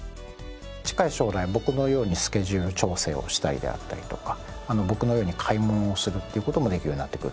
近い将来僕のようにスケジュール調整をしたりであったりとか僕のように買い物をするっていう事もできるようになってくると思います。